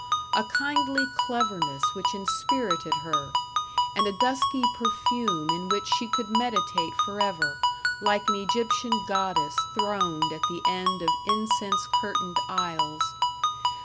A kindly cleverness which inspirited her, and a dusky perfume in which she could meditate forever, like an Egyptian goddess throned at the end of incense curtained aisles.